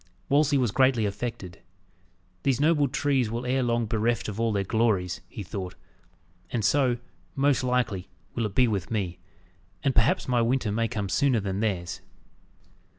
Wolsey was greatly affected. "These noble trees will ere long bereft of all their glories," he thought, "and so, most likely, will it be with me, and perhaps my winter may come sooner than theirs!"